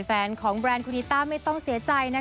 แฟนของแบรนด์คูณิต้าไม่ต้องเสียใจนะคะ